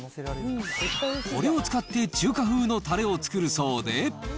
これを使って中華風のたれを作るそうで。